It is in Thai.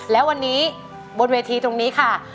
และวันนี้บนเวทีตรงนี้ค่ะ